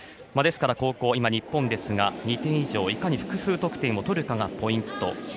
ですから、後攻は日本ですが２点以上いかに複数得点を取るかがポイント。